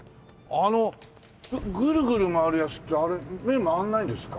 あのグルグル回るやつってあれ目回らないんですか？